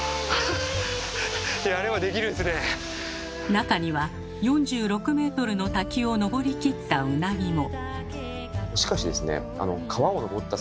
中には４６メートルの滝を登り切ったウナギも。